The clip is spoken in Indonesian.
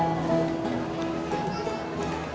gak ada yang masak